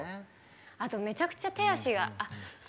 あと、めちゃくちゃ手足が。